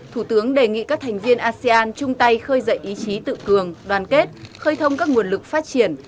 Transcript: thủ tướng đề nghị các thành viên asean chung tay khơi dậy ý chí tự cường đoàn kết khơi thông các nguồn lực phát triển